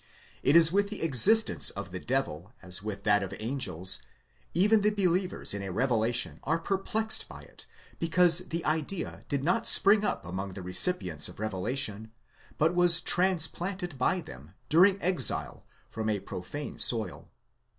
It is with the existence of the devil as with that of angels—even the believers in a revelation are perplexed by it, because the idea did not spring up among the recipients of revelation, 'but was transplanted by them, during exile, from a profane soil.